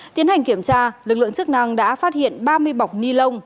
tiến hành kiểm tra lực lượng chức năng đã phát hiện ba mươi bọc ni lông